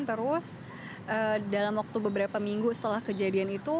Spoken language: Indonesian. terus dalam waktu beberapa minggu setelah kejadian itu